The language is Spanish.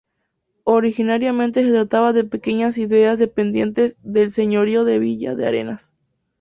Originariamente se trataban de pequeñas aldeas dependientes del señorío de la villa de Arenas.